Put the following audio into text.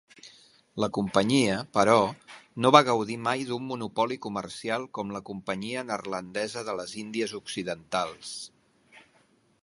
La companyia, però, no va gaudir mai d'un monopoli comercial com la Companyia Neerlandesa de les Índies Occidentals.